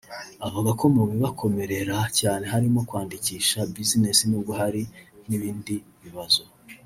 avuga ko mu bibakomerera cyane harimo kwandikisha bizinesi n’ubwo hari n’ibindi bibazo